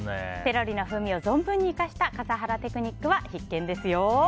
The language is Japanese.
セロリの風味を存分に生かした笠原テクニックは必見です。